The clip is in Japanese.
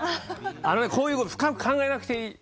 こういうこと深く考えなくていい。